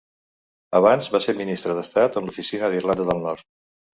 Abans va ser Ministre d'Estat en l'Oficina d'Irlanda del Nord.